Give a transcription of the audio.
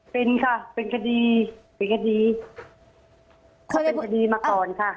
เป็นค่ะเป็นคดีเป็นคดีมาก่อนค่ะ